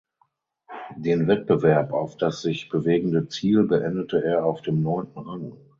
Den Wettbewerb auf das sich bewegende Ziel beendete er auf dem neunten Rang.